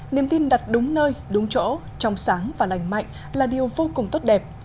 niềm tin đặt đúng nơi đúng chỗ trong sáng và lành mạnh là điều vô cùng tốt đẹp